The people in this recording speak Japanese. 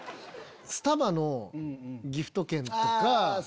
スタバのギフト券とか。